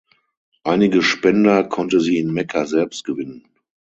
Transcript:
Einige Spender konnte sie in Mekka selbst gewinnen.